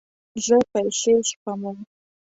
زه پیسې سپموم